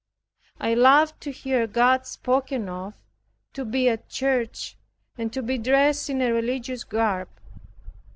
I loved to hear God spoken of, to be at church, and to be dressed in a religious garb.